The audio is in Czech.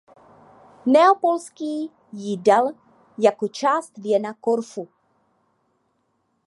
Neapolský jí dal jako část věna Korfu.